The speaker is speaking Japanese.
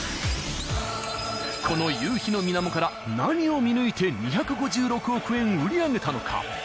［この夕日の水面から何を見抜いて２５６億円売り上げたのか？］